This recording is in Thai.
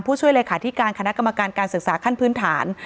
ช่วยเลขาธิการคณะกรรมการการศึกษาขั้นพื้นฐาน